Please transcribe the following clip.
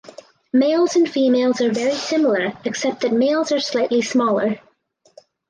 Males and females are very similar except that males are slightly smaller.